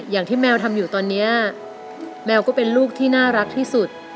แมวทำอยู่ตอนนี้แมวก็เป็นลูกที่น่ารักที่สุด